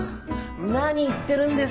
何言ってるんですか。